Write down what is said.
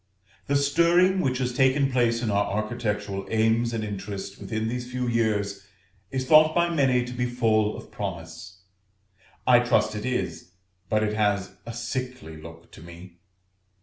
The stirring which has taken place in our architectural aims and interests within these few years, is thought by many to be full of promise: I trust it is, but it has a sickly look to me.